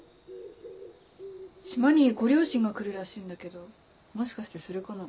島にご両親が来るらしいんだけどもしかしてそれかな？